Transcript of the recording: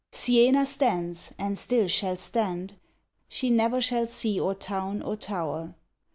Siena stands, and still shall stand; She ne'er shall see or town or tower.